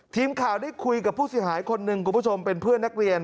ทีมข่าวได้คุยกับผู้เสียหายคนหนึ่งคุณผู้ชมเป็นเพื่อนนักเรียน